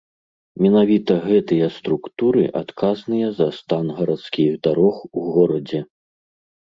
Менавіта гэтыя структуры адказныя за стан гарадскіх дарог у горадзе.